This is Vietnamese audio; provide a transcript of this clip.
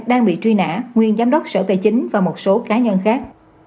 đang bị truy nã nguyên giám đốc sở tài chính và một số cá nhân khác